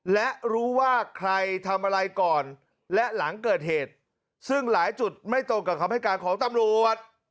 และรู้ว่าใครทำอะไรก่อนและหลังเกิดเหตุซึ่งหลายจุดไม่ตรงกับคำให้การของตำรวจ